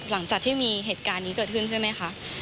หลังจากที่มีเหตุการณ์นี้เกิดขึ้นใช่ไหมคะ